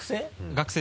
学生？